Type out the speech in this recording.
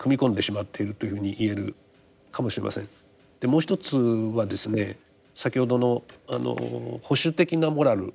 もう一つはですね先ほどの保守的なモラル